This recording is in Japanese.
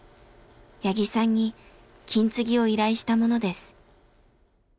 八木さんに金継ぎを依頼したものです。